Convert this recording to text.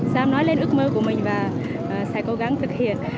dám nói lên ước mơ của mình và sẽ cố gắng thực hiện